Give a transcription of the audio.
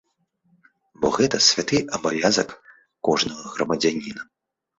Бо гэта святы абавязак кожнага грамадзяніна.